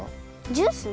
ジュース？